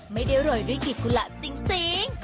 ไม่ได้โรยด้วยกิตกุหละซิ่ง